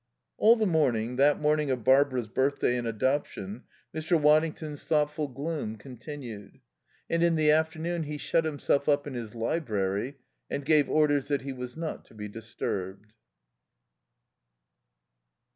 All the morning, that morning of Barbara's birthday and adoption Mr. Waddington's thoughtful gloom continued. And in the afternoon he shut himself up in his library and gave orders that he was not to be disturbed.